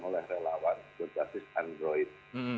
oleh relawan berbasis android